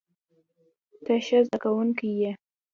ته ښه زده کوونکی یې.